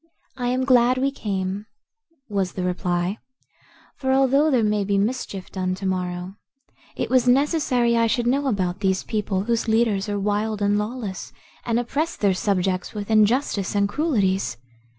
"I am glad we came," was the reply, "for although there may be mischief done to morrow, it was necessary I should know about these people, whose leaders are wild and lawless and oppress their subjects with injustice and cruelties.